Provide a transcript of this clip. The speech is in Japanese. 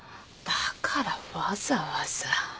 だからわざわざ。